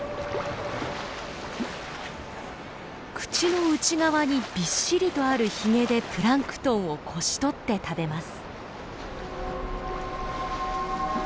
口の内側にびっしりとあるヒゲでプランクトンをこし取って食べます。